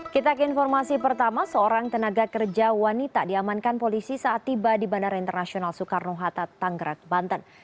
kita ke informasi pertama seorang tenaga kerja wanita diamankan polisi saat tiba di bandara internasional soekarno hatta tanggerak banten